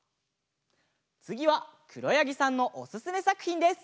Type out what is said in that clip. つぎはくろやぎさんのおすすめさくひんです。